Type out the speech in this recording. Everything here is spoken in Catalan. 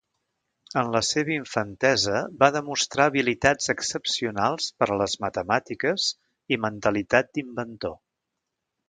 En la seva infantesa va demostrar habilitats excepcionals per a les matemàtiques i mentalitat d'inventor.